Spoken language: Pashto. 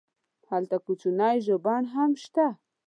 هلته کوچنی ژوبڼ هم شته.